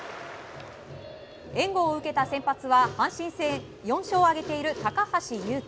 援護を受けた先発は阪神戦４勝を挙げている高橋優貴。